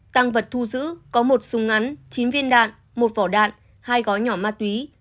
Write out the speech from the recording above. tăng vật thu giữ có một súng ngắn chín viên đạn một vỏ đạn hai gói nhỏ ma túy